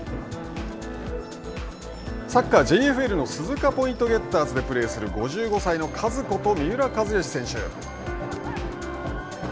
サッカーＪＦＬの鈴鹿ポイントゲッターズでプレーする５５歳のカズこと